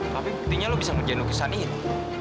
tapi buktinya lu bisa menjelajah lukisan ini